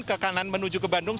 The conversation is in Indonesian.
ke kanan menuju ke bandung